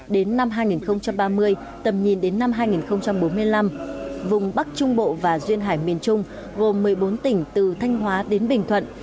đến năm hai nghìn ba mươi tầm nhìn đến năm hai nghìn bốn mươi năm vùng bắc trung bộ và duyên hải miền trung gồm một mươi bốn tỉnh từ thanh hóa đến bình thuận